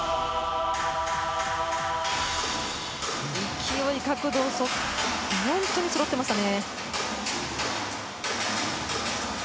勢い、角度、本当にそろっていましたね。